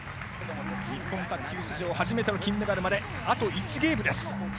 日本卓球史上初めての金メダルまであと１ゲームです。